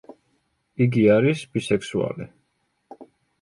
იგი არის ბისექსუალი.